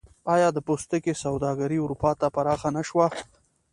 آیا د پوستکي سوداګري اروپا ته پراخه نشوه؟